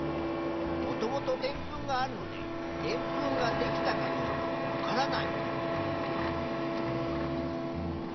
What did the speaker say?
もともとでんぷんがあるのででんぷんができたかどうかはわからない。